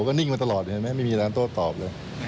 ก็นิ่งมาตลอดไม่มีร้านโต้ตอบเลย